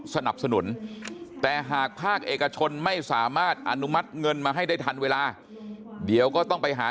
สนับสนุนแต่หากภาคเอกชนไม่สามารถอนุมัติเงินมาให้ได้ทันเวลาเดี๋ยวก็ต้องไปหา